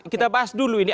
kita bahas dulu ini